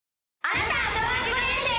あなたは。